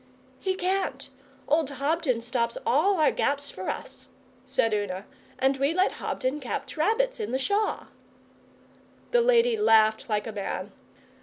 'He can't. Old Hobden stops all our gaps for us,' said Una, 'and we let Hobden catch rabbits in the Shaw.' The lady laughed like a man.